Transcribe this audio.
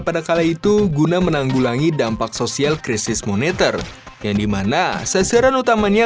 pada kala itu guna menanggulangi dampak sosial krisis moneter yang dimana sasaran utamanya